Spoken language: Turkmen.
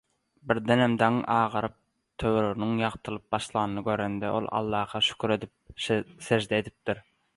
Birdenem daňyň agaryp, töwereginiň ýagtylyp başlanyny görende ol Allaha şükür bilen sežde edipdir.